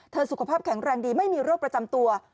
สุขภาพแข็งแรงดีไม่มีโรคประจำตัว